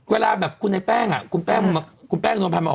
เวลาแบบคุณไอ้แป้งคุณแป้งนวรรภัณฑ์มาออก